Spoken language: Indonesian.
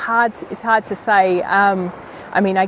jadi sangat sulit untuk mengatakan